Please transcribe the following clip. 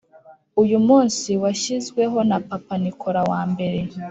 uyu munsi washyizweho na papa nikola wa mbere